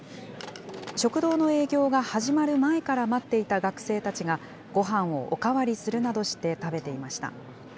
食堂の営業が始まる前から待っていた学生たちが、ごはんをお代わりするなどして、食べていました。